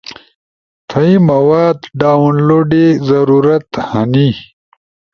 تھئی مواد ڈاونلوڈے ضرورت ہنی؟